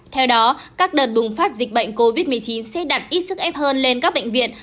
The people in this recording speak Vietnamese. theo đó các đợt bùng phát dịch bệnh covid một mươi chín sẽ đặt ít sức ép hơn lên các bệnh viện